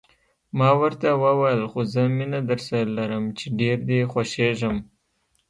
ما ورته وویل: خو زه مینه درسره لرم، چې ډېر دې خوښېږم.